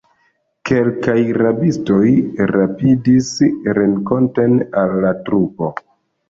Kelkaj rabistoj rapidis renkonten al la trupo.